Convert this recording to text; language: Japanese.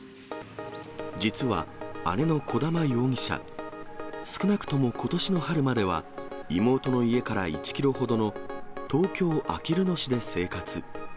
実は姉の小玉容疑者、少なくともことしの春までは、妹の家から１キロほどの東京・あきる野市で生活。